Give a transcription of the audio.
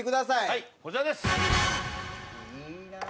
はいこちらです。